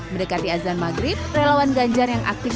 berdekat di azan maghrib relawan ganjar yang aktif